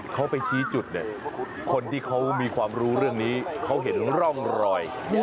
เขาไปชี้จุดเนี่ยคนที่เขามีความรู้เรื่องนี้เขาเห็นร่องรอย